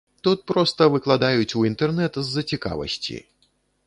Тут проста выкладаюць у інтэрнэт з-за цікавасці.